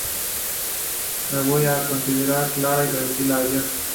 Me voy con una consciencia clara y tranquila, adiós".